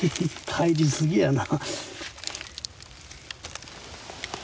入り過ぎやな。